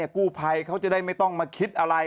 กู้ภัยเขาจะได้ไม่ต้องมาคิดอะไร